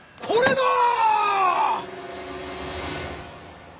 これだ。